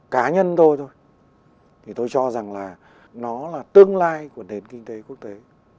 cá nhân tôi thôi thì tôi cho rằng là nó là tương lai của nền kinh tế quốc tế